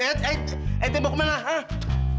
eh eh eh tembok mana hah